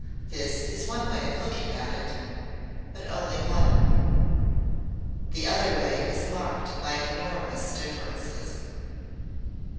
This is one way of looking at it, but only one. The other way is marked by enormous differences.